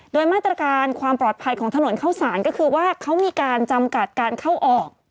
โดยมาตรการความปลอดภัยของถนนเข้าสารก็คือว่าเขามีการจำกัดการเข้าออก